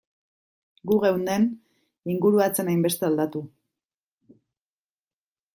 Gu geunden, ingurua ez zen hainbeste aldatu.